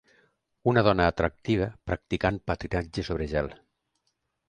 Una dona atractiva practicant patinatge sobre gel.